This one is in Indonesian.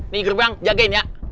nih gerbang jagain ya